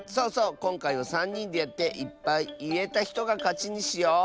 こんかいはさんにんでやっていっぱいいえたひとがかちにしよう。